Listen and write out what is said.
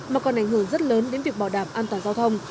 mà còn ảnh hưởng rất lớn đến việc bảo đảm an toàn giao thông